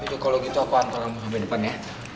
itu kalau gitu aku antol kamu sampe depan ya